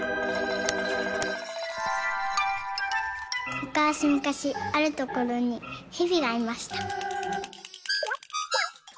「むかしむかしあるところにへびがいました」。